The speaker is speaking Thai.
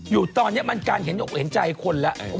อยู่ตอนนี้มันการเห็นใจคนแล้ว